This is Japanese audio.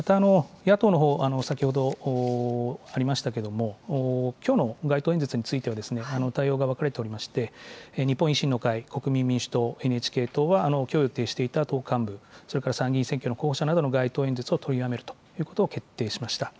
また、野党のほう、先ほどありましたけれども、きょうの街頭演説については、対応が分かれておりまして、日本維新の会、国民民主党、ＮＨＫ党は、きょう予定していた党幹部、それから参議院選挙の候補者などの街頭演説を取りやめるということを決定しました。